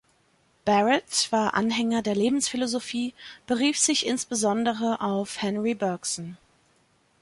Barrett war Anhänger der Lebensphilosophie, berief sich insbesondere auf Henri Bergson.